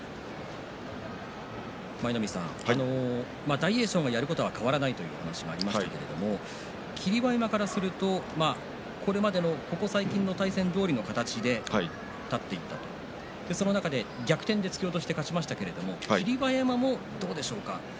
大栄翔もやることは変わらないという話がありましたが霧馬山からするとここ最近の対戦どおりの形で立っていくその中で逆転で突き落として勝ちましたけれど霧馬山は、どうでしょうか？